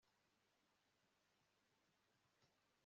igihe cya zahabu ntikizigera kiza